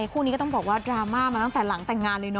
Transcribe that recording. คู่นี้ก็ต้องบอกว่าดราม่ามาตั้งแต่หลังแต่งงานเลยเน